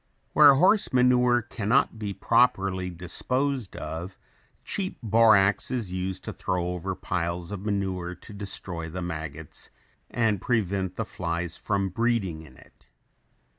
Where horse manure can not be properly disposed of, cheap borax is used to throw over piles of manure to destroy the maggots and prevent the flies from breeding in it.